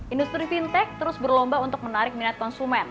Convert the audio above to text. industri fintech terus berlomba untuk menarik minat konsumen